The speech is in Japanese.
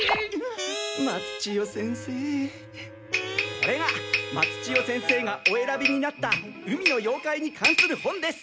これが松千代先生がお選びになった「海の妖怪」に関する本です。